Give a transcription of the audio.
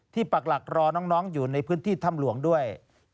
ปักหลักรอน้องอยู่ในพื้นที่ถ้ำหลวงด้วย